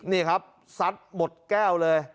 นี่ครับซัดหมดแก้วเลย